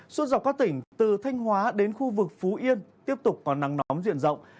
suốt dọc các tỉnh từ thanh hóa đến khu vực phú yên tiếp tục có nắng nóng diện rộng